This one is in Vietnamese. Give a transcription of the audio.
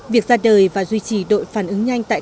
việc ra đời và duy trì đội phản ứng nhanh tại